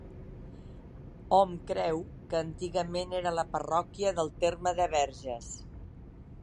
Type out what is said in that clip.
Hom creu que antigament era la parròquia del terme de Verges.